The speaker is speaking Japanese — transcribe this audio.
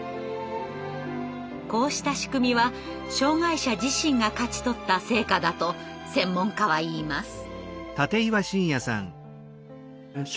こうした仕組みは障害者自身が勝ち取った成果だと専門家はいいます。